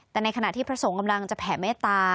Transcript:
แต่ในขณะที่พระสงฆ์กำลังจะแผ่เมตตา